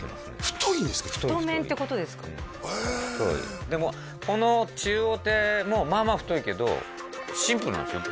太い太いうん太いでもこの中央亭もまあまあ太いけどシンプルなんですよ